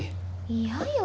嫌よ